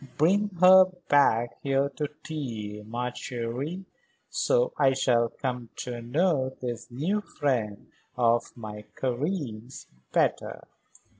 "Bring her back here to tea, ma chérie. So I shall come to know this new friend of my Karen's better."